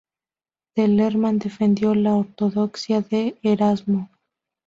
De Lerma defendió la ortodoxia de Erasmo.